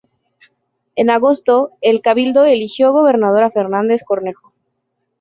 En agosto, el cabildo eligió gobernador a Fernández Cornejo.